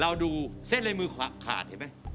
เราดูเส้นลายมือขาดเห็นไหม